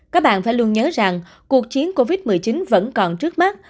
các bạn phải luôn nhớ rằng cuộc chiến covid một mươi chín vẫn còn trước mắt